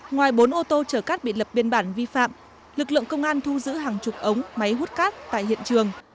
ngoài bốn ô tô chở cát bị lập biên bản vi phạm lực lượng công an thu giữ hàng chục ống máy hút cát tại hiện trường